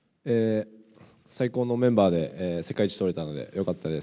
最高のメンバーで世界一取れたので、よかったです。